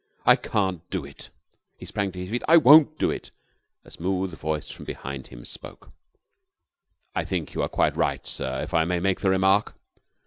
"I can't do it!" He sprang to his feet. "I won't do it." A smooth voice from behind him spoke. "I think you are quite right, sir if I may make the remark."